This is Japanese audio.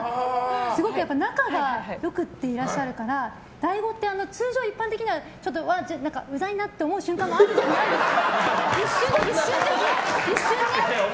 すごく仲が良くていらっしゃるからＤＡＩ語ってちょっと一般的にはちょっとうざいなって思う瞬間もあるじゃないですか。